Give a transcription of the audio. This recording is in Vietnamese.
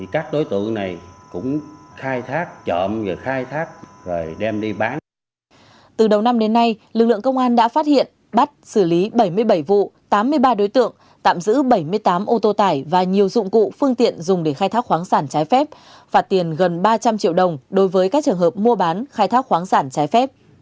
công an đã phát hiện bắt xử lý bảy mươi bảy vụ tám mươi ba đối tượng tạm giữ bảy mươi tám ô tô tải và nhiều dụng cụ phương tiện dùng để khai thác khoáng sản trái phép phạt tiền gần ba trăm linh triệu đồng đối với các trường hợp mua bán khai thác khoáng sản trái phép